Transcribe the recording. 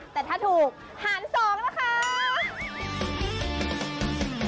แต่ถ้าถูกหาร๒นะคะ